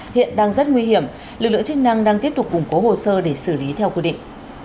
hiện đang rất nguy hiểm lực lượng chức năng đang tiếp tục củng cố hồ sơ để xử lý theo quy định